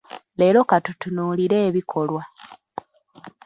Leero ka tutunuulire ebikolwa.